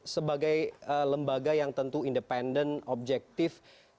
sebagai lembaga yang tentu independen objektif